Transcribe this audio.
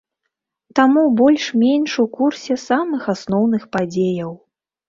Таму больш-менш у курсе самых асноўных падзеяў.